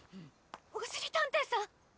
おしりたんていさん！